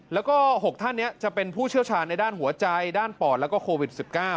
แล้วก็๖ท่านนี้จะเป็นผู้เชี่ยวชาญในด้านหัวใจด้านปอดแล้วก็โควิด๑๙